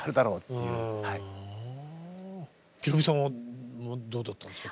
宏美さんはどうだったんですか？